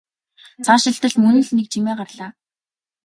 Цаашилтал мөн л нэг чимээ гарлаа.